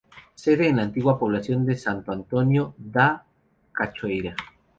Sede en la antigua población de Santo Antonio da Cachoeira.